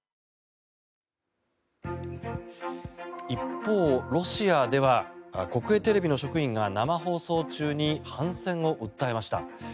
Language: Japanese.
一方、ロシアでは国営テレビの職員が生放送中に反戦を訴えました。